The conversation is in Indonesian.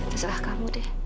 kita serah kamu deh